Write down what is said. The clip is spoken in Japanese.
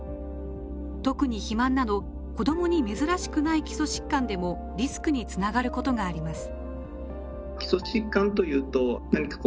特に肥満など子どもに珍しくない基礎疾患でもリスクにつながることがあります。